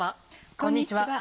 こんにちは。